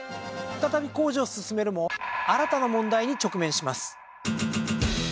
再び工事を進めるも新たな問題に直面します。